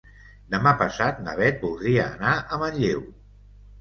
Demà passat na Bet voldria anar a Manlleu.